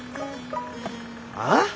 ああ？